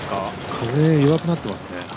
風、弱くなってますね。